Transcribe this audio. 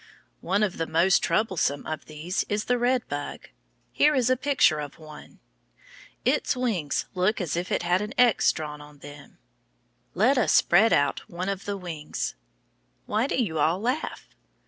One of the most troublesome of these is the red bug. Here is a picture of one. Its wings look as if they had an X drawn on them. Let us spread out one of the wings. Why do you all laugh?